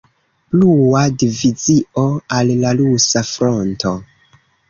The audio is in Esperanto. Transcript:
Blua Divizio al la Rusa Fronto.